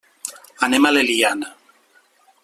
Anem a l'Eliana.